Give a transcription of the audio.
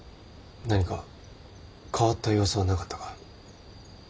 何か変わった様子はなかったか？